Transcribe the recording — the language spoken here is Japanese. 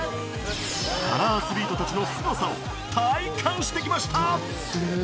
パラアスリートたちのすごさを体感してきました。